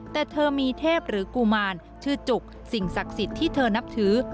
แต่เธอมีเทพหรือกุมารชื่อจุกสิ่งศักดิ์สิทธิ์ที่เธอนับถือ